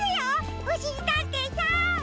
おしりたんていさん！